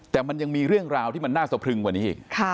แต่มันยังมีเรื่องราวที่มันน่าสะพรึงกว่านี้อีก